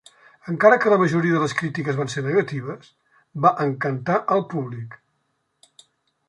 Encara que la majoria de les crítiques van ser negatives, va encantar al públic.